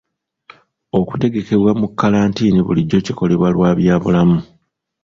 Okutegekebwa mu kalantiini bulijjo kikolebwa lwa bya bulamu.